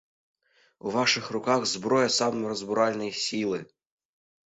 У вашых руках зброя самай разбуральнай сілы!